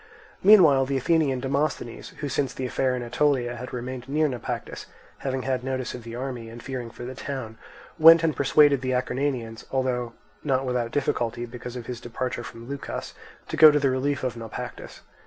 Meanwhile the Athenian Demosthenes, who since the affair in Aetolia had remained near Naupactus, having had notice of the army and fearing for the town, went and persuaded the Acarnanians, although not without difficulty because of his departure from Leucas, to go to the relief of Naupactus.